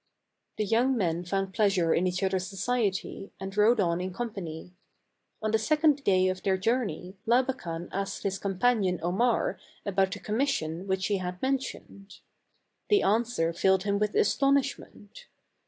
The young men found pleasure in each other's society, and rode on in company. On the second day of their journey Labakan asked his com panion Omar about the commission which he had mentioned. The answer filled him with astonish ment.